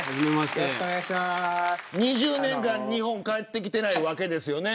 ２０年間、日本に帰ってきてないわけですよね。